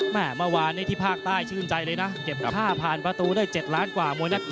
เมื่อวานนี้ที่ภาคใต้ชื่นใจเลยนะเก็บค่าผ่านประตูได้๗ล้านกว่ามวยนักก